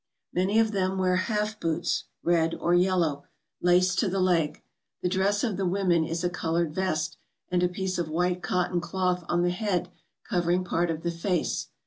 Many of them wear half boots, red or yellow, I laced to the leg; the dress of the women is a j coloured vest, and a piece of white cotton cloth on I the head, covering part of the face.